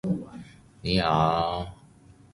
離職後我學到的二十三件事